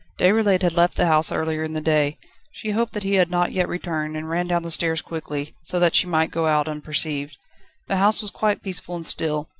Déroulède had left the house earlier in the day. She hoped that he had not yet returned, and ran down the stairs quickly, so that she might go out unperceived. The house was quite peaceful and still.